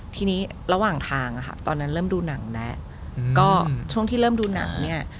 ทีนี้ระหว่างทางอะค่ะตอนนั้นเริ่มดูหนังแล้วก็ช่วงที่เริ่มดูหนังเนี่ย